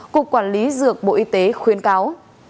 cục quản lý dược bộ y tế khuyên cáo